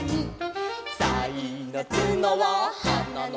「さいのつのははなの上」